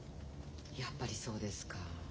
やっぱりそうですか。